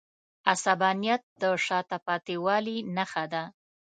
عصبانیت د شاته پاتې والي نښه ده.